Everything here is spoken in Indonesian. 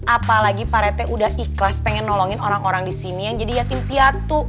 apalagi parete udah ikhlas pengen nolongin orang orang disini yang jadi yatim piatu